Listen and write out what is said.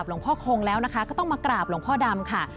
โอ้โฮแล้วเก็บไปเยอะ